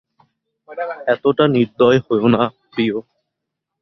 এতোটা নির্দয় হয়ো না, প্রিয়।